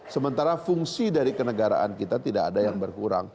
sementara fungsi dari kenegaraan kita tidak ada yang berkurang